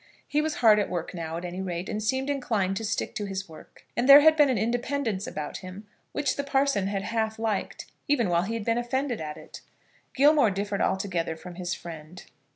He was hard at work now, at any rate; and seemed inclined to stick to his work. And there had been an independence about him which the parson had half liked, even while he had been offended at it. Gilmore differed altogether from his friend.